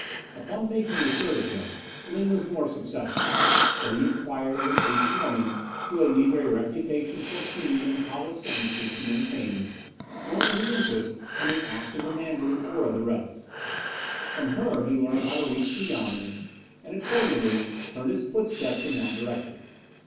Upon making a third attempt Ling was more successful, for he inquired of an aged woman, who had neither a reputation for keen and polished sentences to maintain, nor any interest in the acts of the Mandarin or of the rebels. From her he learned how to reach the Yamen, and accordingly turned his footsteps in that direction.